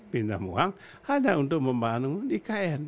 pinjam uang hanya untuk membangun ikn